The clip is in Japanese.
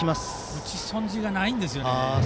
打ち損じがないんですね。